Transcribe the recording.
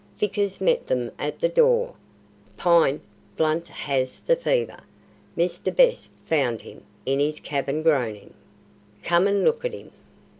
Vickers met them at the door. "Pine, Blunt has the fever. Mr. Best found him in his cabin groaning. Come and look at him."